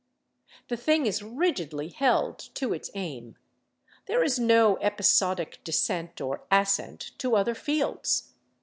The thing is rigidly held to its aim; there is no episodic descent or ascent to other fields.